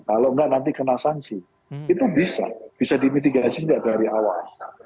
kalau nggak nanti kena sanksi itu bisa bisa dimitigasi nggak dari awal